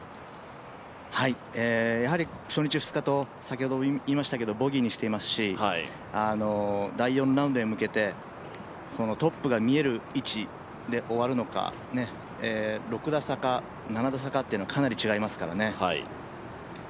やはり初日、２日とボギーにしていますし第４ラウンドへ向けてトップが見える位置で終わるのか、６打差か７打差かというのはかなり違いますからね。